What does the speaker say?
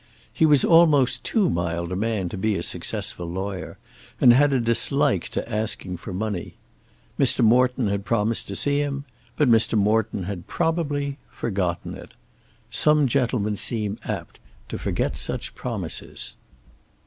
He was almost too mild a man to be a successful lawyer, and had a dislike to asking for money. Mr. Morton had promised to see him, but Mr. Morton had probably forgotten it. Some gentlemen seem apt to forget such promises.